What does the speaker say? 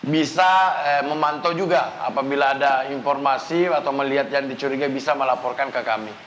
bisa memantau juga apabila ada informasi atau melihat yang dicurigai bisa melaporkan ke kami